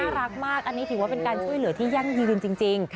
รักมากอันนี้ถือว่าเป็นการช่วยเหลือที่ยั่งยืนจริง